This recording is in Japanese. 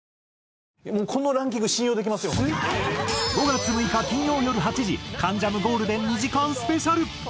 ５月６日金曜よる８時『関ジャム』ゴールデン２時間スペシャル。